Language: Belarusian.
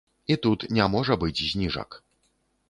І тут не можа быць зніжак.